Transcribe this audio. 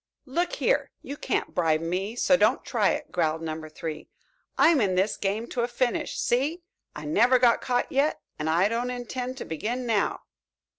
"Look here, you can't bribe me, so don't try it!" growled Number Three. "I'm in this game to a finish, see? I never got caught yet and I don't intend to begin now."